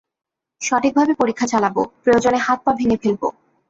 সঠিকভাবে পরীক্ষা চালাবো, প্রয়োজনে হাত-পা ভেঙে ফেলব।